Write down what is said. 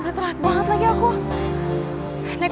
apa tukang mojek